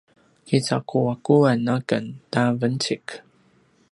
kicaquaquan aken ta vencik